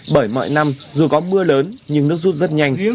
bởi mọi năm dù có mưa lớn nhưng nước rút rất nhanh